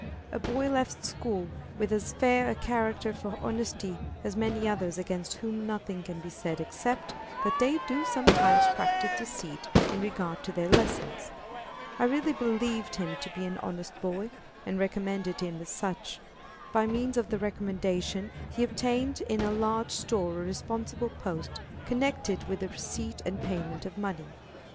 A boy left school with as fair a character for honesty as many others against whom nothing can be said except that they do sometimes practise deceit in regard to their lessons. I really believed him to be an honest boy, and recommended him as such. By means of the recommendation, he obtained in a large store a responsible post connected with the receipt and payment of money.